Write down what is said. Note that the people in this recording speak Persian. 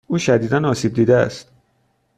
او شدیدا آسیب دیده است.